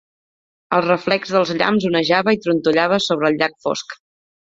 El reflex dels llamps onejava i trontollava sobre el llac fosc.